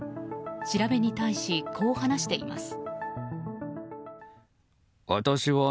調べに対しこう話しています。